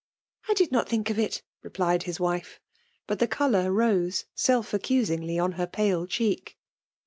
*' I did not think of it/' replied H hut the cok>ur rose setf accusingly (dh her .pale cheek.